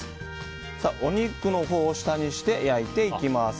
お肉のほうを下にして焼いていきます。